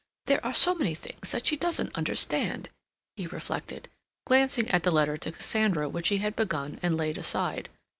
"There are so many things that she doesn't understand," he reflected, glancing at the letter to Cassandra which he had begun and laid aside.